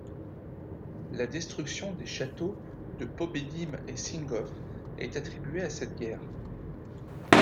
La destruction des châteaux de Pobedim et Čingov est attribuée à cette guerre.